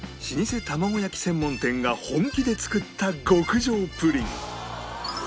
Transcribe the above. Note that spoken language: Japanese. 老舗玉子焼専門店が本気で作った極上プリン